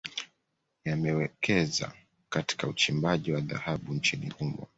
Yamewekeza Katika uchimbaji wa dhahabu nchini humo